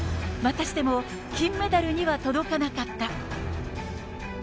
またしても金メダルには届かなかった。